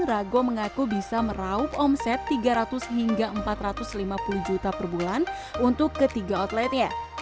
rago mengaku bisa meraup omset tiga ratus hingga empat ratus lima puluh juta per bulan untuk ketiga outletnya